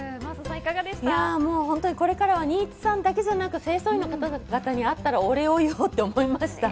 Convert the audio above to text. これからは新津さんだけじゃなく、清掃員の方々に会ったら、お礼を言おうと思いました。